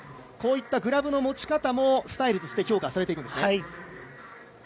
こういったグラブの持ち方もスタイルとして評価されていくんですね。